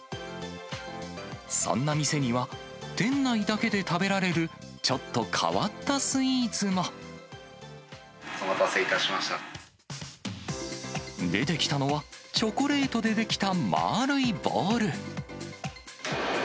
そんな店には、店内だけで食べられる、お待たせいたしました。出てきたのは、チョコレートで出来たまあるいボール。